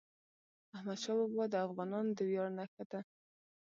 احمدشاه بابا د افغانانو د ویاړ نښه ده.